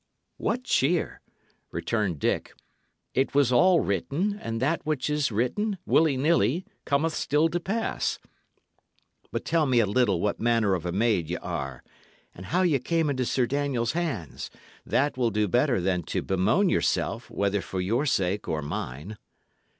"What cheer!" returned Dick. "It was all written, and that which is written, willy nilly, cometh still to pass. But tell me a little what manner of a maid ye are, and how ye came into Sir Daniel's hands; that will do better than to bemoan yourself, whether for your sake or mine."